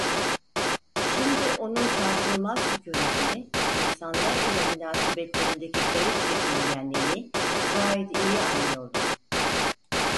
Şimdi onun sarsılmaz sükûnetini, insanlar ile münasebetlerindeki garip çekingenliğini gayet iyi anlıyordum.